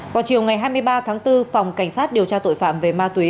vào chiều ngày hai mươi ba tháng bốn phòng cảnh sát điều tra tội phạm về ma túy